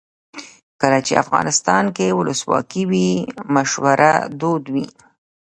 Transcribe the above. کله چې افغانستان کې ولسواکي وي مشوره دود وي.